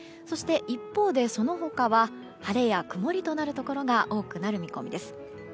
そして一方、その他は晴れや曇りとなるところが多くなる見込みです。